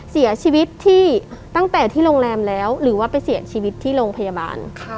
เสียชีวิตที่ตั้งแต่ที่โรงแรมแล้วหรือว่าไปเสียชีวิตที่โรงพยาบาล